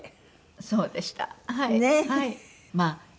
そうでした。